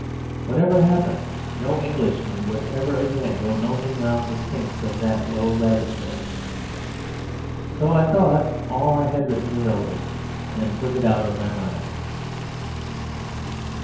Whatever happened, no Englishmen would ever again go nosing round the stinks of that low laboratory. So I thought all I had written irrelevant, and put it out of my mind.